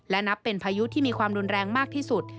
และนับเป็นพายุที่มีความรุนแรงมากที่สุด